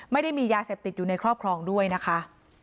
ไม่ได้มียาเสพติดอยู่ในครอบครองด้วยนะคะ